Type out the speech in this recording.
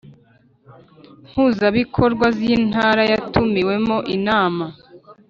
Mpuzabikorwa z intara yatumiwemo inama